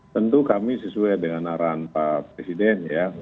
tentu kami sesuai dengan arahan pak presiden ya